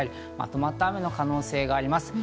まとまった雨の可能性があります。